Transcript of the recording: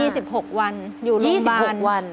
สลบไป๒๖วัน